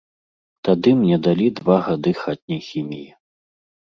Тады мне далі два гады хатняй хіміі.